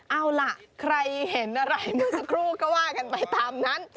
เอาละใครเห็นอะไรสกลูกก็ว่ากันไปตามนั้น